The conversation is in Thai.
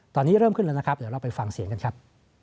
ตอนนี้เริ่มขึ้นแล้วนะครับเดี๋ยวเราไปฟังเสียงกันครับ